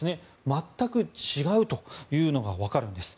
全く違うというのがわかるんです。